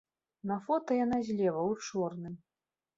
На фота яна злева, у чорным.